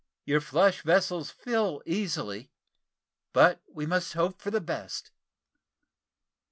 Your flush vessels fill easily but we must hope for the best."